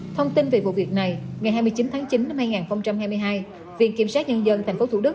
thông tin về vụ việc này ngày hai mươi chín tháng chín năm hai nghìn hai mươi hai viện kiểm sát nhân dân tp thủ đức